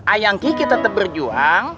ayang kiki tetep berjuang